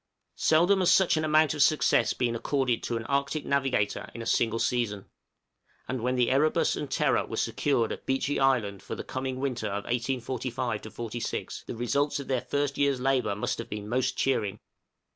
Seldom has such an amount of success been accorded to an Arctic navigator in a single season, and when the 'Erebus' and 'Terror' were secured at Beechey Island for the coming winter of 1845 6, the results of their first year's labor must have been most cheering.